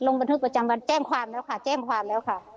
บันทึกประจำวันแจ้งความแล้วค่ะแจ้งความแล้วค่ะ